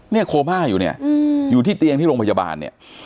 โคม่าอยู่เนี่ยอยู่ที่เตียงที่โรงพยาบาลเนี่ย